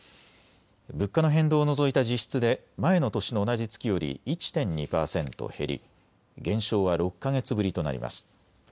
物価の変動を除いた実質で前の年の同じ月より１．２％減り減少は６か月ぶりとなります。